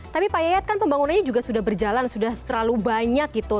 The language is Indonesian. tapi pak yayat kan pembangunannya juga sudah berjalan sudah terlalu banyak gitu